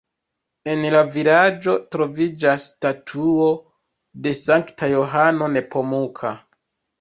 En la vilaĝo troviĝas statuo de Sankta Johano Nepomuka.